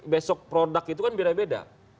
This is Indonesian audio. besok produk itu kan beda beda